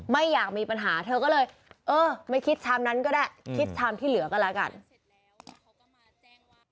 ไม่อยากมีปัญหาเธอก็เลยเออไม่คิดชามนั้นก็ได้คิดชามที่เหลือก็แล้วกัน